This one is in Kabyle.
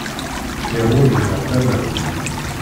Lliɣ ur rriɣ tamawt.